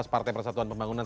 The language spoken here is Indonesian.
partai persatuan pembangunan